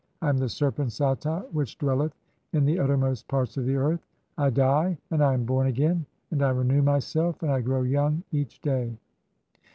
I am the serpent Sata which dwell "eth in the uttermost parts of the earth. I die, and I am born "again, and I renew myself, and I grow young (5) each day."